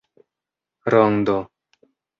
rondo